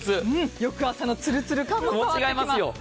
翌朝のツルツル感も変わってきます。